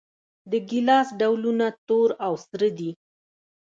د ګیلاس ډولونه تور او سره دي.